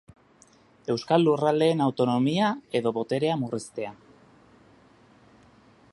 Euskal Lurraldeen autonomia edo boterea murriztea.